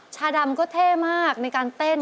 ชาดำก็เท่มากในการเต้น